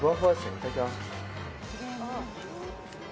いただきます。